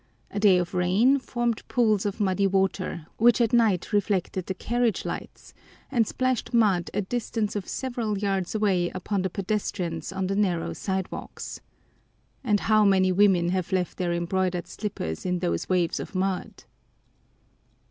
A day of rain formed pools of muddy water, which at night reflected the carriage lights and splashed mud a distance of several yards away upon the pedestrians on the narrow sidewalks. And how many women have left their embroidered slippers in those waves of mud!